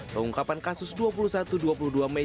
pengungkapan kasus dua puluh satu dua puluh dua mei